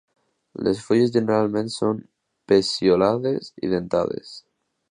Les fulles generalment són peciolades i dentades.